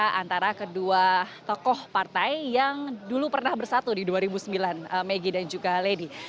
antara kedua tokoh partai yang dulu pernah bersatu di dua ribu sembilan megi dan juga lady